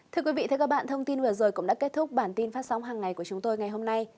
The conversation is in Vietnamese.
thưa quý vị thưa các bạn thông tin vừa rồi cũng đã kết thúc bản tin phát sóng hàng ngày của chúng tôi ngày hôm nay